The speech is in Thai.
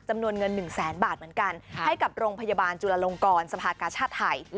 จำนวนเงิน๑แสนบาทเหมือนกันให้กับโรงพยาบาลจุลลงกรสภากาชาติไทย